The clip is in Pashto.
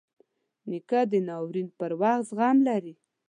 نیکه د ناورین پر وخت زغم لري.